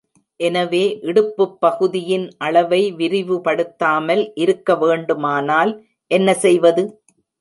எனவே, இடுப்புப் பகுதியின் அளவை விரிவுபடுத்தாமல் இருக்க வேண்டுமானால், என்ன செய்வது?